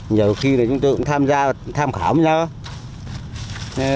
nhiều khi là chúng tôi cũng tham gia tham khảo với nhau